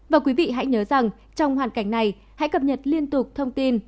và quý vị hãy nhớ rằng trong hoàn cảnh này hãy cập nhật liên tục thông tin